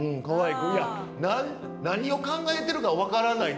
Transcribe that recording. うん何を考えてるか分からない。